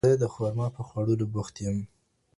زه د خرما په خوړلو بوخت یم.